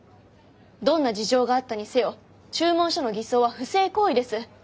どんな事情があったにせよ注文書の偽装は不正行為です。